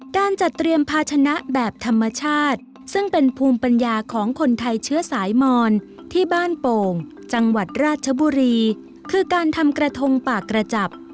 การจัดเตรียมภาชนะแบบธรรมชาติซึ่งเป็นภูมิปัญญาของคนไทยเชื้อสายมอนที่บ้านโป่งจังหวัดราชบุรีคือการทำกระทงปากกระจับ